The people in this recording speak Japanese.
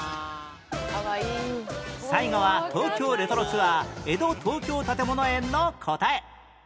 最後は東京レトロツアー江戸東京たてもの園の答え